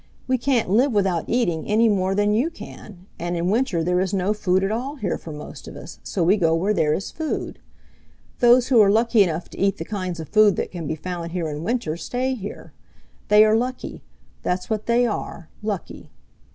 We can't live without eating any more than you can, and in winter there is no food at all here for most of us, so we go where there is food. Those who are lucky enough to eat the kinds of food that can be found here in winter stay here. They are lucky. That's what they are lucky.